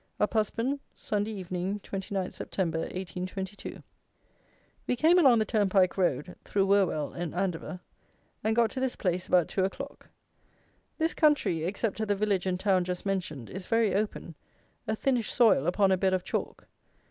Uphusband, Sunday Evening, 29 Sept. 1822. We came along the turnpike road, through Wherwell and Andover, and got to this place about 2 o'clock. This country, except at the village and town just mentioned, is very open, a thinnish soil upon a bed of chalk.